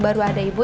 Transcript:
saya sudah menunggu